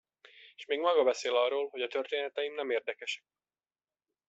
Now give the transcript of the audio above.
És még maga beszél arról, hogy a történeteim nem érdekesek.